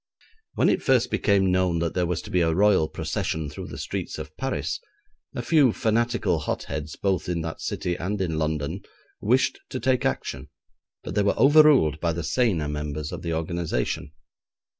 When it first became known that there was to be a Royal procession through the streets of Paris, a few fanatical hot heads, both in that city and in London, wished to take action, but they were overruled by the saner members of the organisation.